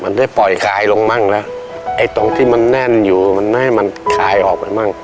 มันได้ปล่อยคลายลงมั่งแล้วไอ้ตรงที่มันแน่นอยู่มันไม่ให้มันคลายออกไปมั่ง